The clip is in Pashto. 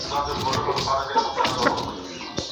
ارغنداو مي سره لمبه دی شالمار په اور کي سوځي